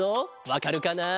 わかるかな？